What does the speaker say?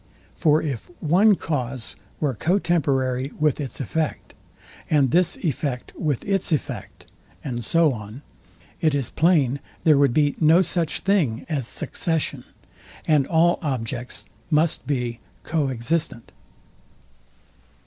For if one cause were co temporary with its effect, and this effect with its effect, and so on, it is plain there would be no such thing as succession, and all objects must be co existent.